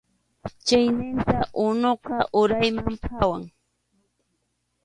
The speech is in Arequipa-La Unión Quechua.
Chayninta unuqa urayman phawan.